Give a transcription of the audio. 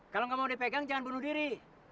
kalau nggak mau dipegang jangan bunuh diri